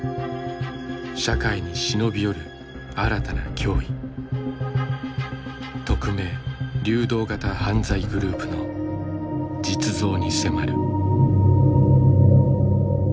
社会に忍び寄る新たな脅威匿名・流動型犯罪グループの実像に迫る。